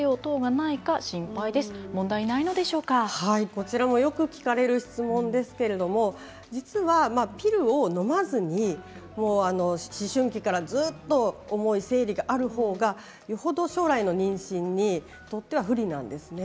こちらもよく聞かれる質問ですけれど実は、ピルをのまずに思春期からずっと重い生理があるほうが、よほど将来の妊娠にとっては不利なんです。